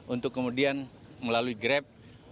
untuk kemudian melalui grab